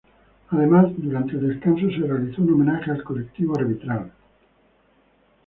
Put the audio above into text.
Además, durante el descanso se realizó un homenaje al colectivo arbitral.